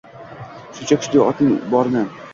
Shuncha kuchli o’tning borini.